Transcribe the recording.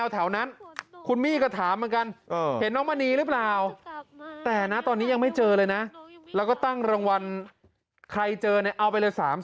แล้วพอคุณมี่เจอใครแถวนั้นเธอถามมาหาหมดเลย